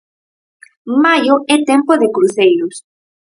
Maio é tempo de cruceiros.